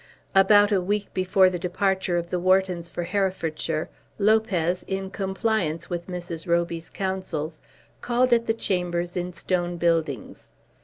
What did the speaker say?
About a week before the departure of the Whartons for Herefordshire, Lopez, in compliance with Mrs. Roby's counsels, called at the chambers in Stone Buildings.